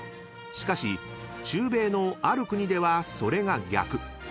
［しかし中米のある国ではそれが逆］